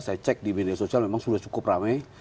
saya cek di media sosial memang sudah cukup ramai